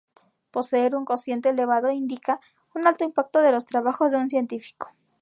Poseer un cociente elevado indica un alto impacto de los trabajos de un científico.